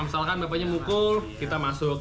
misalkan bapaknya mukul kita masuk